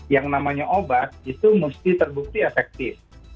yang namanya obat itu mesti terbukti efektif